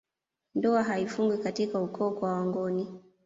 Ndoa haifungwi katika ukoo kwa wangoni